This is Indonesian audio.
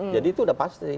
jadi itu sudah pasti